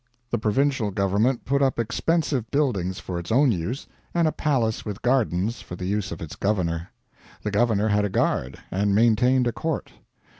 The provincial government put up expensive buildings for its own use, and a palace with gardens for the use of its governor. The governor had a guard, and maintained a court.